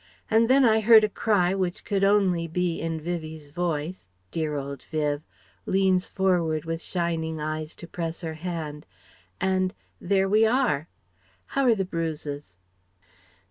And then I heard a cry which could only be in Vivie's voice dear old Viv (leans forward with shining eyes to press her hand) and ... there we are. How're the bruises?"